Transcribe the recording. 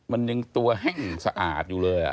มันยังตัวแห้งสะอาดอยู่เลย